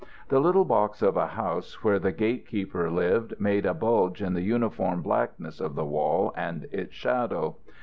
The little box of a house where the gate keeper lived made a bulge in the uniform blackness of the wall and its shadow.